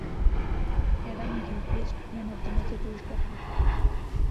Adam Gilchrist man of the ম্যাচের পুরস্কার পান।